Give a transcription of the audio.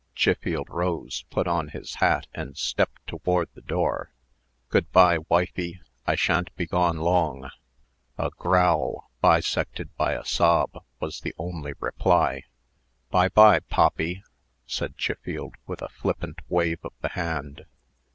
Chiffield rose, put on his hat, and stepped toward the door. "Good by, wifey. I sha'n't be gone long." A growl, bisected by a sob, was the only reply. "By by, poppy," said Chiffield, with a flippant wave of the hand.